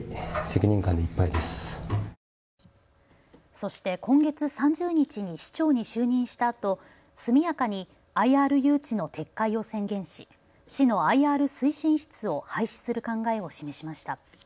そして今月３０日に市長に就任したあと速やかにＩＲ誘致の撤回を宣言し市のＩＲ推進室を廃止する考えを示しました。